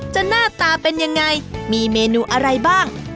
หน้าตาเป็นยังไงมีเมนูอะไรบ้าง